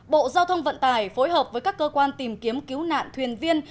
bộ giao thông vận tải phối hợp với các cơ quan tìm kiếm cứu nạn thuyền viên